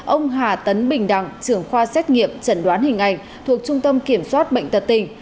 ông hà tấn bình đặng trưởng khoa xét nghiệm trần đoán hình ảnh thuộc trung tâm kiểm soát bệnh tật tình